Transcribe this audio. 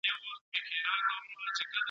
اوس نه منتر کوي اثر نه په مُلا سمېږي ..